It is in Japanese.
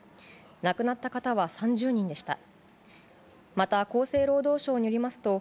亡くなった方は３０人でした。